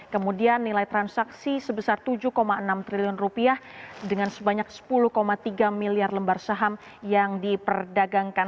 kemudian nilai transaksi sebesar tujuh enam triliun rupiah dengan sebanyak sepuluh tiga miliar lembar saham yang diperdagangkan